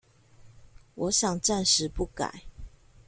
我想暫時不改